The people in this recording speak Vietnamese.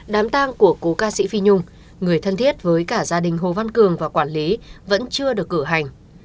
đám tang của cố ca sĩ phi nhung người thân thiết với cả gia đình hồ văn cường và quản lý vẫn chưa được cử hành